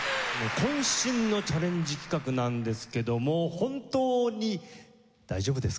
渾身のチャレンジ企画なんですけども本当に大丈夫ですか？